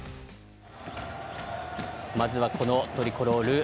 まずは、トリコロール